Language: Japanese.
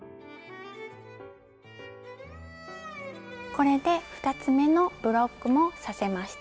これで２つ目のブロックも刺せました。